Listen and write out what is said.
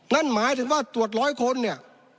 นั่นหมายถึงว่าตรวจร้อยคนเนี่ย